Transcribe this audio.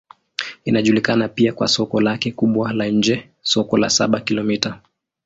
Inajulikana pia kwa soko lake kubwa la nje, Soko la Saba-Kilomita.